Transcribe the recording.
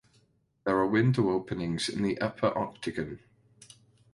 There are window openings in the upper octagon.